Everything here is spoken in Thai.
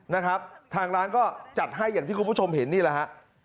นะครับทางร้านก็จัดให้อย่างที่คุณผู้ชมเห็นนี่แหละฮะ